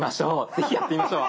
是非やってみましょう。